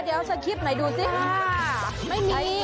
เดี๋ยวสะคิดหน่อยดูสิฮะ